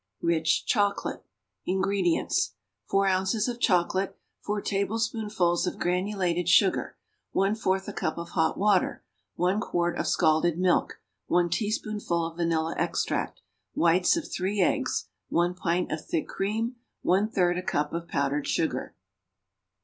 =Rich Chocolate.= INGREDIENTS. 4 ounces of chocolate. 4 tablespoonfuls of granulated sugar. 1/4 a cup of hot water. 1 quart of scalded milk. 1 teaspoonful of vanilla extract. Whites of 3 eggs. 1 pint of thick cream. 1/3 a cup of powdered sugar.